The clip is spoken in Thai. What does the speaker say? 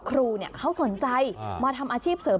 ครูเขาสนใจมาทำอาชีพเสริม